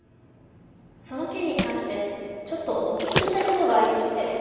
その件に関してちょっとお聞きしたいことがありまして。